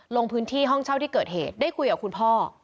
ลงพื้นที่ห้องเช่าที่เกิดเหตุได้คุยกับคุณพ่อ